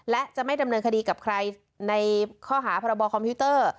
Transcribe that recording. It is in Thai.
และจะไม่ดำเนินคดีกับใครในข้อหาพรบคอมพิวเตอร์